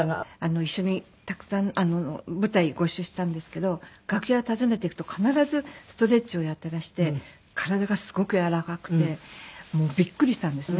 一緒にたくさん舞台ご一緒したんですけど楽屋を訪ねていくと必ずストレッチをやってらして体がすごくやわらかくてもうビックリしたんですね。